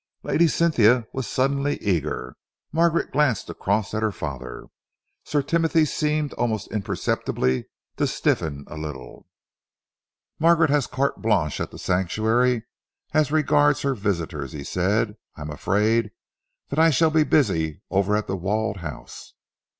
Lady Cynthia was suddenly eager. Margaret glanced across at her father. Sir Timothy seemed almost imperceptibly to stiffen a little. "Margaret has carte blanche at The Sanctuary as regards her visitors," he said. "I am afraid that I shall be busy over at The Walled House."